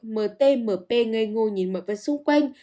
m t m p ngây ngô nhìn mọi vật xung quanh